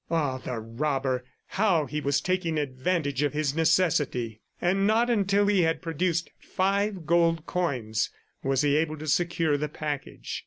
Ah, the robber! How he was taking advantage of his necessity! ... And not until he had produced five gold coins was he able to secure the package.